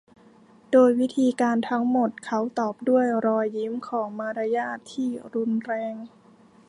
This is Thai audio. โดยวิธีการทั้งหมดเขาตอบด้วยรอยยิ้มของมารยาทที่รุนแรง